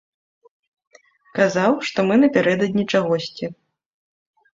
Казаў, што мы напярэдадні чагосьці.